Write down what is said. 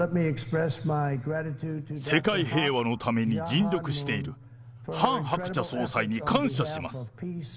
世界平和のために尽力しているハン・ハクチャ総裁に感謝します。